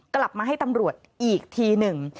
กลับมาให้ตำรวจอีกทีหนึ่ง